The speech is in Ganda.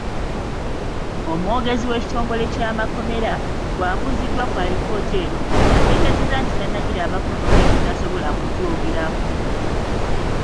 Omwogezi w'ekitongole ky'amakomera, bw'abuuziddwa ku alipoota eno, ategeezezza nti tannagirabako noolwekyo tasobola kujoogerako.